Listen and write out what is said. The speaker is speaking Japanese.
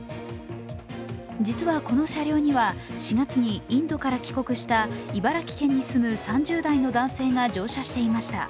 実はこの車両には４月にインドから帰国した茨城県に住む３０代の男性が乗車していました。